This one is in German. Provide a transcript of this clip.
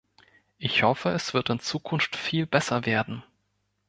Ich hoffe, es wird in Zukunft viel besser werden.